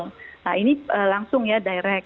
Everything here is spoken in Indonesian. nah ini langsung ya direct